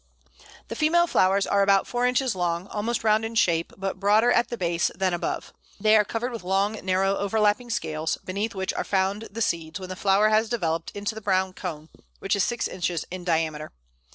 The female flowers are about four inches long, almost round in shape, but broader at the base than above. They are covered with long, narrow, overlapping scales, beneath which are found the seeds when the flower has developed into the brown cone, which is six inches in diameter.